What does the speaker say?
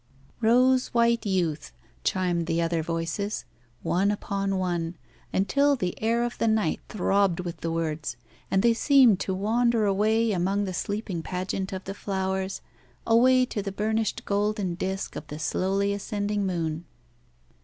"Rose white youth," chimed the other voices, one upon one, until the air of the night throbbed with the words, and they seemed to wander away among the sleeping pageant of the flowers, away to the burnished golden disc of the slowly ascending moon.